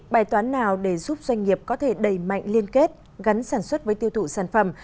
bài toán nào để giúp doanh nghiệp có thể đầy mạnh liên kết gắn sản xuất với tiêu thụ sản phẩm